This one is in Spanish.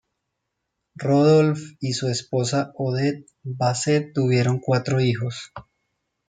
Rodolphe y su esposa Odette Basset tuvieron cuatro hijos.